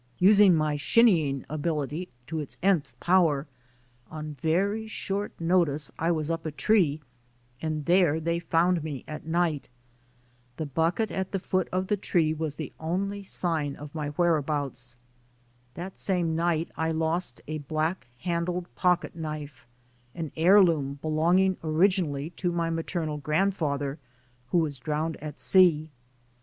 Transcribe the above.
Using my shinning ability to its nth power, on very short notice I was up a tree and there they found me at night. The bucket at the foot of the tree was the only sign of my whereabouts. That same night I lost a black handled pocket knife, an heir loom, belonging originally to my maternal grand father, who was drowned at sea.